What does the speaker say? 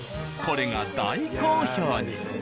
これが大好評に。